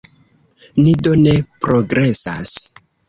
Ni do ne progresas.